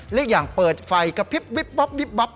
หรืออย่างเปิดไฟกระพริบวิบบ๊อบวิบบ๊อบ